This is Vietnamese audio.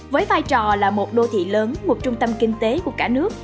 với vai trò là một đô thị lớn một trung tâm kinh tế của cả nước